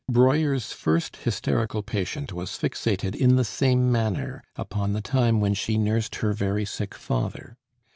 Breuer's first hysterical patient was fixated in the same manner upon the time when she nursed her very sick father.